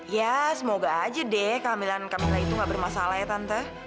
ya semoga aja deh kehamilan kemila itu gak bermasalah ya tante